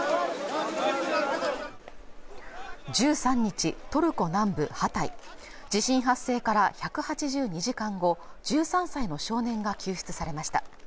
１３日トルコ南部ハタイ地震発生から１８２時間後１３歳の少年が救出されました